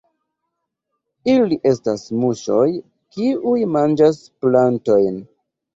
Ili estas muŝoj, kiuj manĝas plantojn.